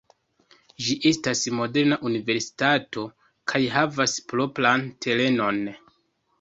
Ĝi estas moderna universitato kaj havas propran terenon.